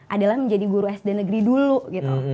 adalah menjadi guru sd negeri dulu gitu